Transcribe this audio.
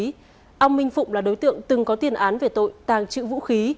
với chất ma túy ông minh phụng là đối tượng từng có tiền án về tội tàng trữ vũ khí